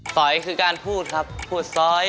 อยคือการพูดครับพูดซ้อย